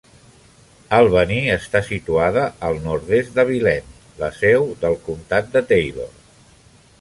Albany està situada al nord-est d'Abilene, la seu del comtat de Taylor.